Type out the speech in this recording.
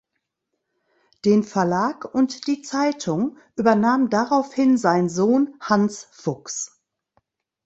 Den Verlag und die Zeitung übernahm daraufhin sein Sohn Hans Fuchs.